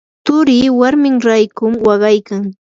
turii warmin raykun waqaykan.